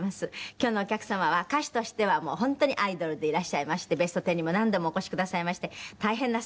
今日のお客様は歌手としてはもう本当にアイドルでいらっしゃいまして『ベストテン』にも何度もお越しくださいまして大変なスターでいらっしゃいます。